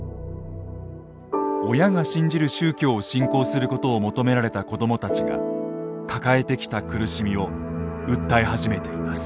親が信じる宗教を信仰することを求められた子どもたちが抱えてきた苦しみを訴え始めています。